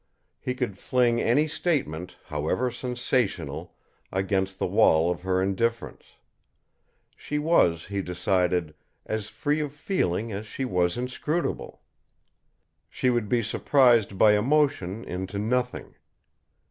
He could fling any statement, however sensational, against the wall of her indifference. She was, he decided, as free of feeling as she was inscrutable. She would be surprised by emotion into nothing.